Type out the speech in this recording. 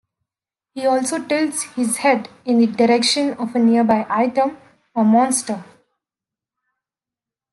He also tilts his head in the direction of a nearby item or monster.